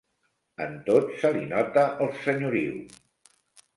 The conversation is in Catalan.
En tot se li nota el senyoriu.